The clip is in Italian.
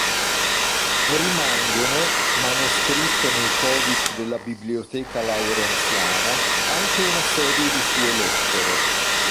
Rimangono, manoscritte nei codici della Biblioteca Laurenziana, anche una serie di sue lettere.